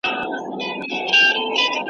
دا څو بیتونه مي، په ډېر تلوار .